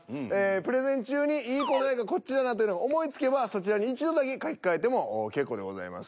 プレゼン中にいい答えがこっちだなというのが思いつけばそちらに１度だけ書き替えても結構でございます。